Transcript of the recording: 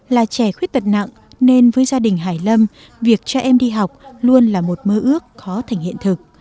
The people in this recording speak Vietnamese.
là trẻ khuyết tật nặng nên với gia đình hải lâm việc cho em đi học luôn là một mơ ước khó thành hiện thực